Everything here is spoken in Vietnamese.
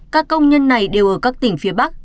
các công nhân này đều ở các tỉnh phía bắc